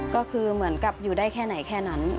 ก็คือเหมือนกับอยู่ได้แค่ไหนแค่นั้น